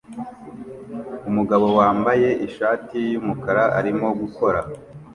Umugabo wambaye ishati yumukara arimo gukora